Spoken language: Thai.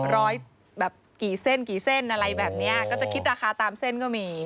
ร้อยแบบกี่เส้นกี่เส้นอะไรแบบเนี้ยก็จะคิดราคาตามเส้นก็มี